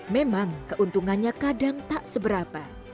memang keuntungannya kadang tak seberapa